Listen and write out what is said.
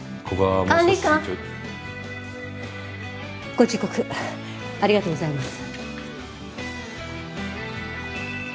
ご忠告ありがとうございます。